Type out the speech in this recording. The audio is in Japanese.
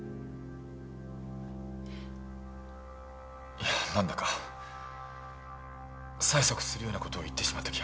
いやなんだか催促するような事を言ってしまった気がして。